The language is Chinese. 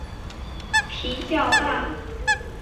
蹄较大。